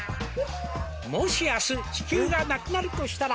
「もし明日地球がなくなるとしたら」